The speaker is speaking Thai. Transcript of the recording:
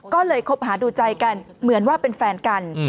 ก็เลยคบหาดูใจกันเหมือนว่าเป็นแฟนกัน